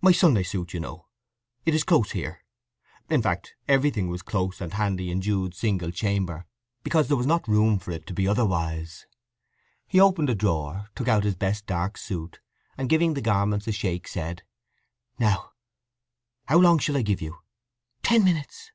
"My Sunday suit, you know. It is close here." In fact, everything was close and handy in Jude's single chamber, because there was not room for it to be otherwise. He opened a drawer, took out his best dark suit, and giving the garments a shake, said, "Now, how long shall I give you?" "Ten minutes."